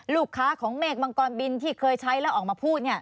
ลูกค้าของเมฆมังกรบินที่เคยใช้แล้วออกมาพูด